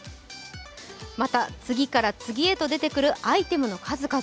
また、次から次へと出てくるアイテムの数々。